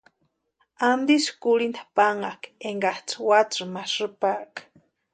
¿Antisï kurhinta pánhaka énkaksï watsïni ma sïpaaka?